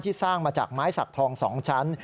สร้างมาจากไม้สักทอง๒ชั้น